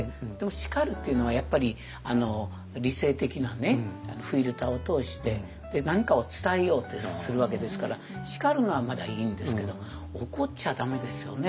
叱るというのはやっぱり理性的なねフィルターを通して何かを伝えようってするわけですから叱るのはまだいいんですけど怒っちゃダメですよね。